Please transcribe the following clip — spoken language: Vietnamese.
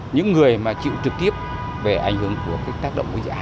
những người mà chịu trực tiếp về ảnh hưởng của tác động quốc gia